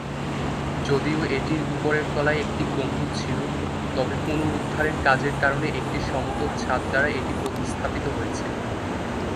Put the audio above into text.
যদিও এটির উপরের তলায় একটি গম্বুজ ছিল, তবে পুনরুদ্ধারের কাজের কারণে একটি সমতল ছাদ দ্বারা এটি প্রতিস্থাপিত হয়েছে।